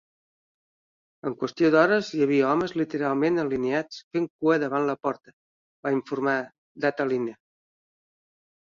"En qüestió d'hores hi havia homes literalment alineats fent cua davant la porta", va informar Dateline.